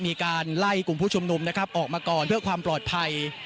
มีการไล่กลุ่มผู้ชุมนุมนะครับออกมาก่อนเพื่อความปลอดภัย